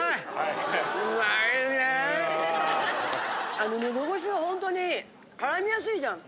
あののどごしはほんとに絡みやすいじゃん。